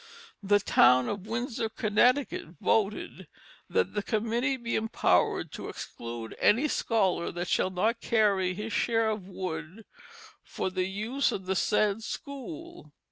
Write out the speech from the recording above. The town of Windsor, Connecticut, voted "that the committee be empowered to exclude any scholar that shall not carry his share of wood for the use of the said school."